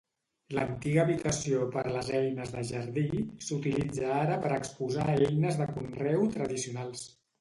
L'antiga habitació per les eines de jardí s'utilitza ara per exposar eines de conreu tradicionals.